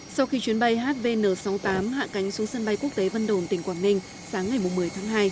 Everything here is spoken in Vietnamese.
sau khi chuyến bay hvn sáu mươi tám hạ cánh xuống sân bay quốc tế vân đồn tỉnh quảng ninh sáng ngày một mươi tháng hai